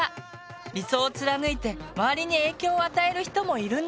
理想を貫いて周りに影響を与える人もいるんだって。